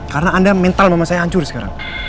karena anda mental mama saya hancur sekarang